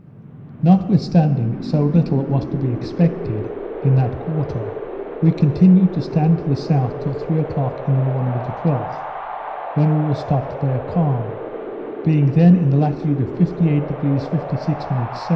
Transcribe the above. Notwithstanding so little was to be expected in that quarter, we continued to stand to the south till three o'clock in the morning of the 12th, when we were stopped by a calm; being then in the latitude of 58° 56' S.